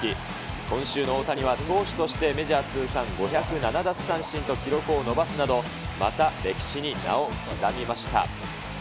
今週の大谷は投手として、メジャー通算５０７奪三振と記録を伸ばすなど、また歴史に名を刻みました。